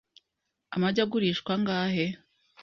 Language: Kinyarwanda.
Amagi agurishwa angahe?